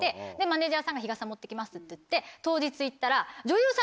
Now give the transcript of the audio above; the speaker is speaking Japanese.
マネジャーさんが日傘持って行きますって言って当日行ったら。